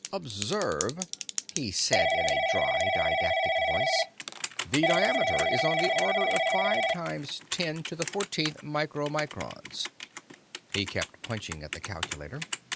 "Observe," he said in a dry, didactic voice. "The diameter is on the order of five times ten to the fourteenth micromicrons." He kept punching at the calculator.